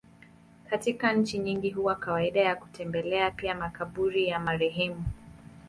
Katika nchi nyingi huwa na kawaida ya kutembelea pia makaburi ya marehemu.